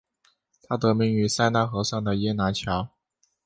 它得名于塞纳河上的耶拿桥。